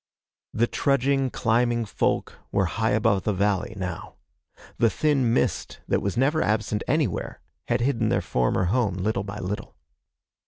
The trudging, climbing folk were high above the valley, now. The thin mist that was never absent anywhere had hidden their former home, little by little.